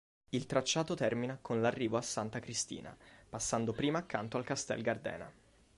Il tracciato termina con l'arrivo a Santa Cristina, passando prima accanto al Castel Gardena.